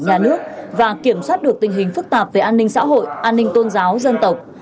nhà nước và kiểm soát được tình hình phức tạp về an ninh xã hội an ninh tôn giáo dân tộc